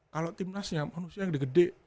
kalau tim nas nya manusia gede gede